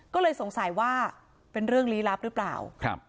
ก็เลยสงสัยว่าเป็นเรื่องลี้ลับหรือเปล่าครับ